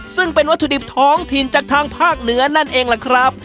ซึ่งเป็นวัตถุดิบท้องถิ่นจากทางภาคเหนือนั่นเองล่ะครับ